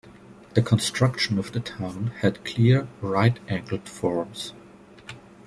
The construction of the town had clear right-angled forms.